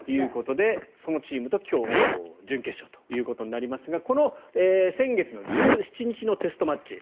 そのチームと今日、準決勝ということになりますがこの先月１７日のテストマッチ。